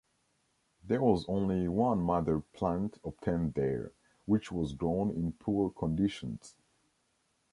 There was only one mother plant obtained there, which was grown in poor conditions.